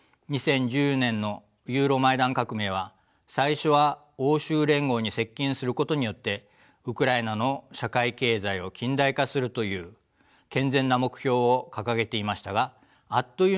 ２０１４年のユーロマイダン革命は最初は欧州連合に接近することによってウクライナの社会経済を近代化するという健全な目標を掲げていましたがあっという間に暴力革命化しました。